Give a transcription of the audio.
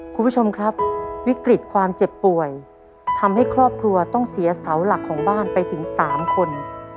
คุณผู้ชมครับวิกฤตความเจ็บป่วยทำให้ครอบครัวต้องเสียเสาหลักของบ้านไปถึง๓คน